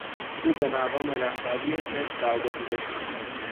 او به مقام رهبری حزب برگزیده شد.